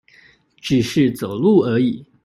只是走路而已